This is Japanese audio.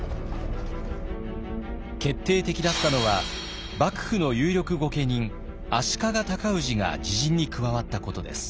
決定的だったのは幕府の有力御家人足利尊氏が自陣に加わったことです。